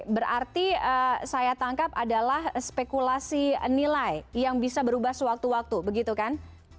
berarti saya tangkap adalah spekulasi nilai yang bisa berubah sewaktu waktu begitu kan